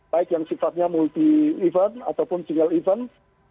baik yang sifatnya multi event ataupun single event